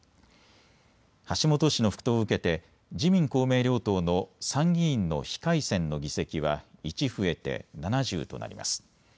橋本氏の復党を受けて自民公明両党の参議院の非改選の議席は１増えて７０となります。